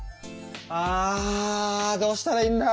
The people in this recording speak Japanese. あどうしたらいいんだ。